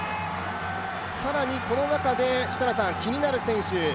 更にこの中で気になる選手